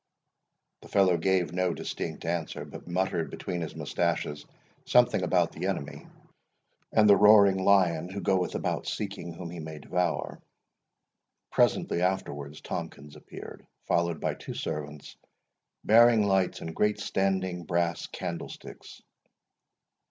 The fellow gave no distinct answer, but muttered between his mustaches something about the Enemy, and the roaring Lion who goeth about seeking whom he may devour. Presently afterwards Tomkins appeared, followed by two servants, bearing lights in great standing brass candlesticks.